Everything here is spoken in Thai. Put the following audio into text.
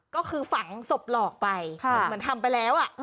ก็คือฝังศพหลอกไปเหมือนทำไปแล้ว